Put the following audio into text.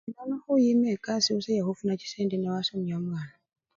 Indi nono khuyima ekasi busa yekhufuna chisendi newasomya omwana.